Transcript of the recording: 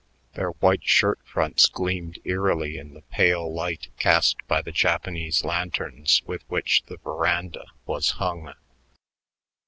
Their white shirt fronts gleamed eerily in the pale light cast by the Japanese lanterns with which the veranda was hung.